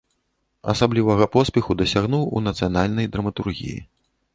Асаблівага поспеху дасягнуў у нацыянальнай драматургіі.